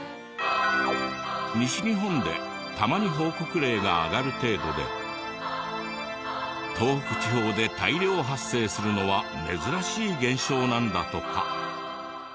西日本でたまに報告例が挙がる程度で東北地方で大量発生するのは珍しい現象なんだとか。